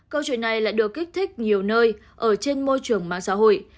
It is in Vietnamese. câu chuyện này lại được kích thích nhiều nơi ở trên môi trường mạng xã hội